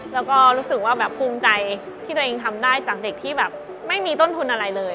รู้สึกภูมิใจที่ตัวเองทำได้จากเด็กที่ไม่มีต้นทุนอะไรเลย